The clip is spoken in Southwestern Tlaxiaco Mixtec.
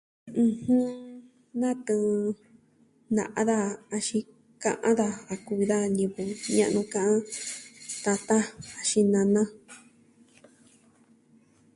ɨjɨn... Natɨɨn na'a daja axin ka'an daja a kuvi da ñivɨ ña'nu ka tata axin nana.